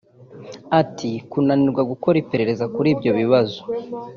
Ati “Kunanirwa gukora iperereza kuri ibyo bibazo